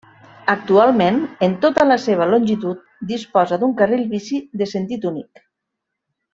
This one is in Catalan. Actualment, en tota la seva longitud disposa d'un carril bici de sentit únic.